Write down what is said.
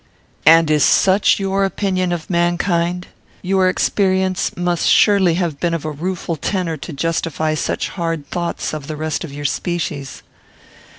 "And is such your opinion of mankind? Your experience must surely have been of a rueful tenor to justify such hard thoughts of the rest of your species."